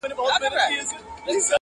په سودا وو د کسات د اخیستلو،